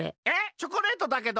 チョコレートだけど？